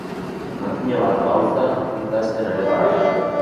Makina bat gauza ikasten ari gara.